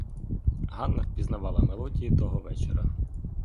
Ганна впізнавала мелодії того вечора.